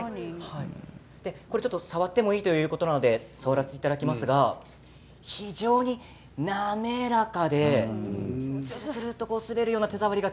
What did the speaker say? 触ってもいいということで触らせていただきますが非常に滑らかでつるつるっと滑るような手触りが